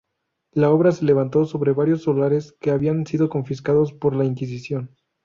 La obra se levantó sobre varios solares que habían sido confiscados por la Inquisición.